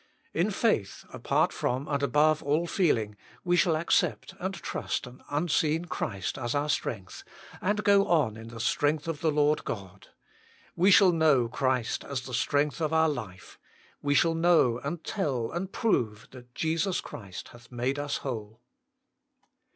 In faith, apart from and above all feeling, we shall accept and trust an unseen Christ as our strength, and go on in the strength of the Lord God. We shall know Christ as the strength of our life. We shall know, and tell, and prove that Jesus Christ hath made us whole.